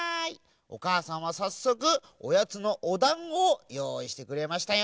おかあさんはさっそくおやつのおだんごをよういしてくれましたよ。